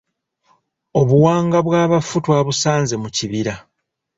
Obuwanga bw’abafu twabusanze mu kibira.